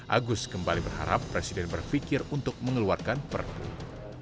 agus kembali berharap presiden berfikir untuk mengeluarkan pertemuan